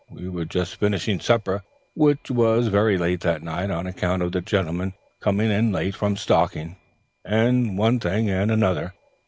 We were just finishing supper, which was very late that night on account of the gentlemen coming in late from stalking, and one thing and another.